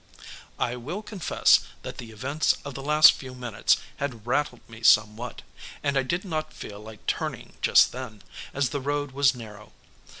I will confess that the events of the last few minutes had rattled me somewhat, and I did not feel like turning just then, as the road was narrow.